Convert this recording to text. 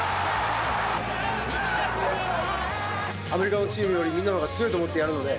アメリカのチームよりみんなのほうが強いと思ってやるので。